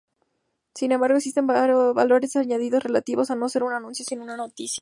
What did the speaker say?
Sin embargo, existen valores añadidos relativos a no ser un anuncio sino una noticia.